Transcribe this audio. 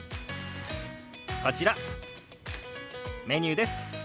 こちらメニューです。